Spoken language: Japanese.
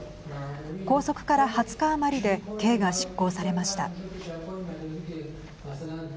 拘束から２０日余りで刑が執行されました。